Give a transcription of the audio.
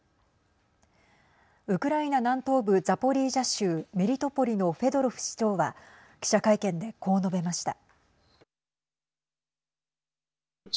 ウクライナ南東部ザポリージャ州メリトポリのフェドロフ市長は記者会見でこう述べました。